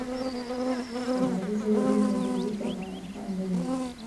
که مادي ژبه وي، نو پوهې ته خنډ نه وي.